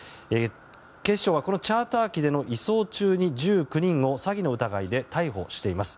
警視庁はこのチャーター機での移送中に１９人を詐欺の疑いで逮捕しています。